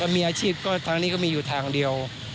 มีอาชีพก็ทางนี้ก็มีอยู่ทางเดียว